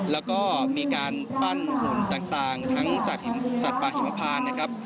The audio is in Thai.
แล้วก็มีการปั้นหุ่นต่างทั้งสัตว์ป่าหิมพานนะครับ